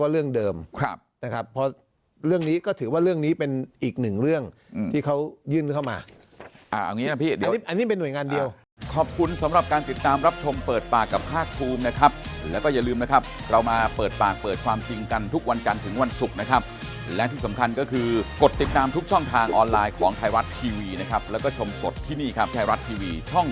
เรื่องนี้ก็ถือว่าเรื่องนี้เป็นอีกหนึ่งเรื่องอืมที่เขายื่นเข้ามาอ่าอย่างงี้นะพี่เดี๋ยวอันนี้เป็นหน่วยงานเดียว